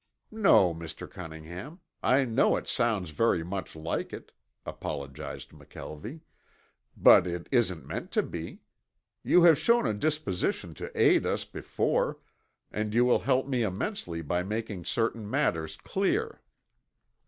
"No, Mr. Cunningham. I know it sounds very much like it," apologized McKelvie, "but it isn't meant to be. You have shown a disposition to aid us before, and you will help me immensely by making certain matters clear.